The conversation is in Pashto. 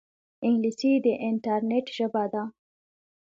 انګلیسي د انټرنیټ ژبه ده